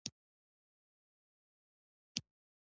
هغې په خوږې موسکا وپوښتل.